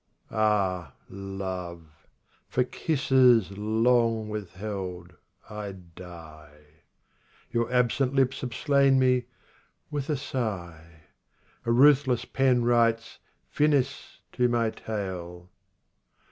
27 Ah, love, for kisses long withheld I die ; Your absent lips have slain me with a sigh. A ruthless pen writes " Finis " to my tale.